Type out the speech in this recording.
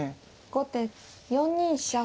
後手４二飛車。